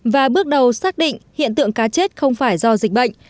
và bước đầu xác định hiện tượng cá chết không phải do dịch bệnh